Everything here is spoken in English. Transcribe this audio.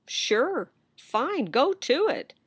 "Sure! Fine! Go to it!"